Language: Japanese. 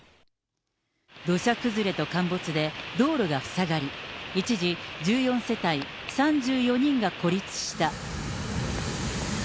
土砂崩れと陥没で道路が塞がり、一時１４世帯３４人が孤立した。